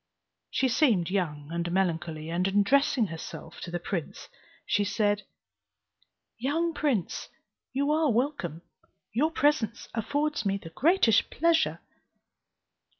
She seemed young and melancholy, and addressing herself to the prince, she said, "Young prince, you are welcome; your presence affords me the greatest pleasure."